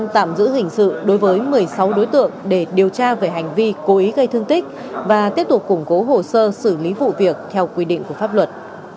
tạm giữ hình sự đối với một mươi sáu đối tượng để điều tra về hành vi cố ý gây thương tích và tiếp tục củng cố hồ sơ xử lý vụ việc theo quy định của pháp luật